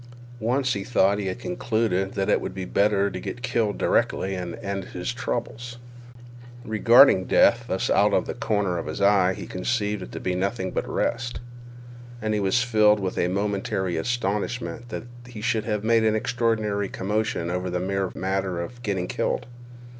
Once he thought he had concluded that it would be better to get killed directly and end his troubles. Regarding death thus out of the corner of his eye, he conceived it to be nothing but rest, and he was filled with a momentary astonishment that he should have made an extraordinary commotion over the mere matter of getting killed.